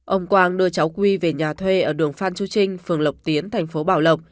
ông quang đưa cháu quy về nhà thuê ở đường phan chu trinh phường lộc tiến tp bảo lộc